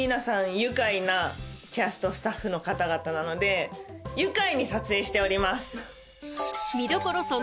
愉快なキャストスタッフの方々なので愉快に撮影しております。